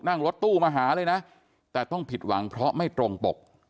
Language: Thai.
นั่งรถตู้มาหาเลยนะแต่ต้องผิดหวังเพราะไม่ตรงปก